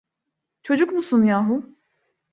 Çocuk musun yahu?